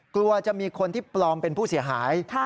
กลัวจะมีคนที่ปลอมเป็นผู้เสียหาย